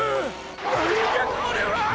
なんじゃこれは！？